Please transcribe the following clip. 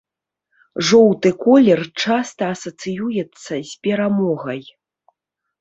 Жоўты колер часта асацыюецца з перамогай.